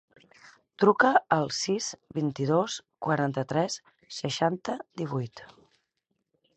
Truca al sis, vint-i-dos, quaranta-tres, seixanta, divuit.